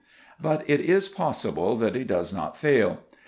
But it is possible that he does not fail.